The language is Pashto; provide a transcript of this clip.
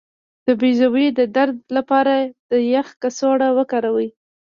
د بیضو د درد لپاره د یخ کڅوړه وکاروئ